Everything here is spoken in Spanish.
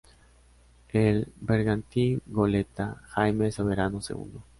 El bergantín goleta "jaime Soberano segundo"